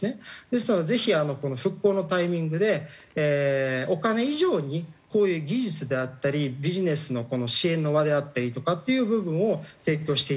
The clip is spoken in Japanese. ですのでぜひ復興のタイミングでお金以上にこういう技術であったりビジネスの支援の輪であったりとかっていう部分を提供していただきたい。